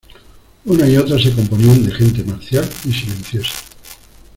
una y otra se componían de gente marcial y silenciosa: